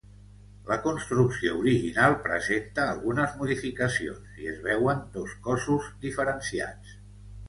La construcció original presenta algunes modificacions i es veuen dos cossos diferenciats.